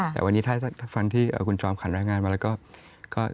แต่วันนี้ถ้าฟังที่คุณจอมขวัญรายงานมาแล้วก็